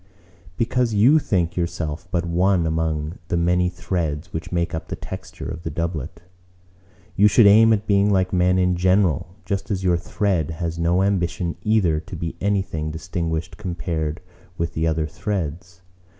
"Because you think yourself but one among the many threads which make up the texture of the doublet. You should aim at being like men in general—just as your thread has no ambition either to be anything distinguished compared with the other threads.